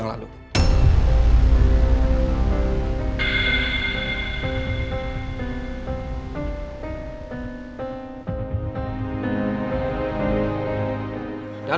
dia juga lihat